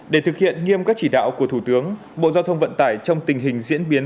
để thực hiện nghiêm các chỉ đạo của thủ tướng bộ giao thông vận tải trong tình hình diễn biến